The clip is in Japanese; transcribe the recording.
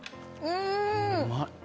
うんまい。